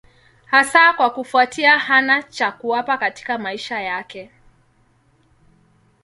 Hasa kwa kufuatia hana cha kuwapa katika maisha yake.